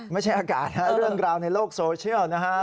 ไม่ใช่อากาศนะเรื่องราวในโลกโซเชียลนะฮะ